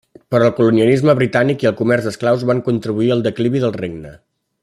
Però el colonialisme britànic i el comerç d'esclaus van contribuir al declivi del Regne.